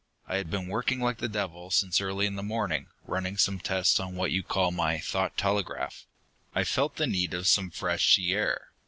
"I had been working like the devil since early in the morning, running some tests on what you call my thought telegraph. I felt the need of some fresh sea air.